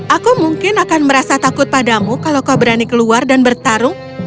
aku mungkin akan merasa takut padamu kalau kau berani keluar dan bertarung